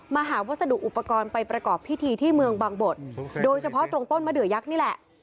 หาวัสดุอุปกรณ์ไปประกอบพิธีที่เมืองบางบดโดยเฉพาะตรงต้นมะเดือยักษ์นี่แหละ